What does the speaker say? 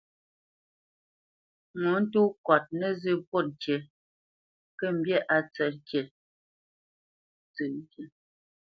Ŋo tô kɔt nǝzǝ́ pɔ́t ŋkǐ kə̂ mbî á tsǝ̂p ŋkǐ.